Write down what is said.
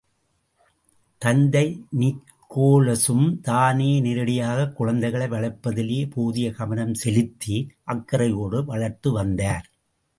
தந்தை நிகோலசும், தானே நேரிடையாகக் குழந்தைகளை வளர்ப்பதிலே போதிய கவனம் செலுத்தி, அக்கறையோடு வளர்த்துவந்தார்.